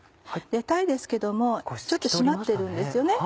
鯛ですけどもちょっと締まってるんですよね。